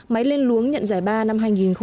máy lên luống nhận giải ba năm hai nghìn một mươi năm